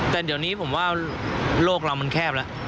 แต่เดี๋ยวนี้ผมว่าโลกเรามันแคบแล้ว